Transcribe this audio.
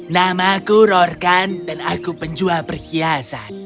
namaku rorkan dan aku penjual perhiasan